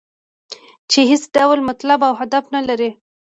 چې هېڅ ډول مطلب او هدف نه لري.